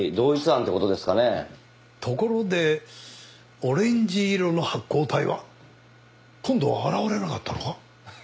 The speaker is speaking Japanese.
ところでオレンジ色の発光体は？今度は現れなかったのか？